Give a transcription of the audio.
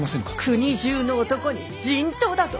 国中の男に人痘だと！？